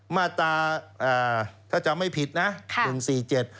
มาตราถ้าจำไม่ผิดหนึ่งสี่เจ็ด